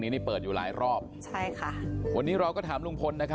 ท่านมีเทียดมีค่าเพียงเนื้ออยู่ที่แรก